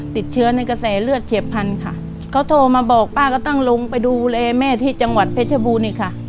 ติดเชื้อในกระแสเลือดเฉียบพันธุ์ค่ะเขาโทรมาบอกป้าก็ต้องลงไปดูแลแม่ที่จังหวัดเพชรบูรณอีกค่ะ